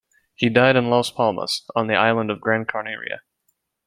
He died in Las Palmas, on the island of Gran Canaria.